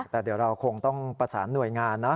แต่เดี๋ยวเราคงต้องประสานหน่วยงานนะ